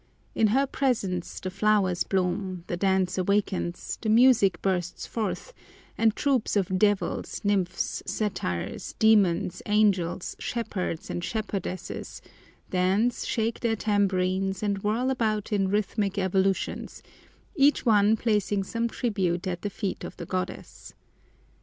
In her presence the flowers bloom, the dance awakens, the music bursts forth, and troops of devils, nymphs, satyrs, demons, angels, shepherds and shepherdesses, dance, shake their tambourines, and whirl about in rhythmic evolutions, each one placing some tribute at the feet of the goddess.